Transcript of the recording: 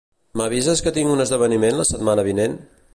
M'avises que tinc un esdeveniment la setmana vinent?